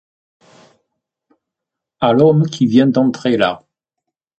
À l’homme qui vient d’entrer là.